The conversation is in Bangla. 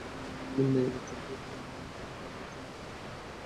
নিম্ন আয়ের লোকজনকেই, তাঁদের পানীয়জলের জন্য সবচেয়ে বেশি দুর্ভোগ পোহাতে হয়।